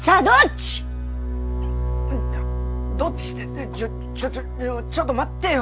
ちょちょちょちょちょっと待ってよ。